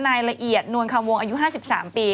ละเอียดนวลคำวงอายุ๕๓ปี